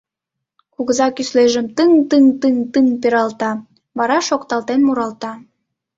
Кугыза кӱслежым тыҥ-тыҥ-тыҥ-тыҥ пералта, вара шокталтен муралта.